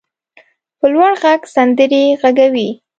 په لوړ غږ سندرې غږوي.